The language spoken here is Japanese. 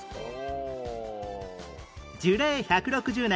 樹齢１６０年